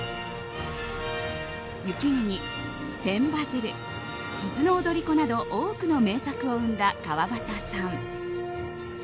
「雪国」、「千羽鶴」「伊豆の踊子」など多くの名作を生んだ川端さん。